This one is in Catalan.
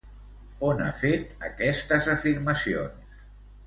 On ha fet aquestes afirmacions?